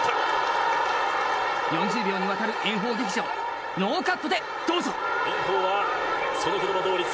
４０秒にわたる炎鵬劇場ノーカットでどうぞ。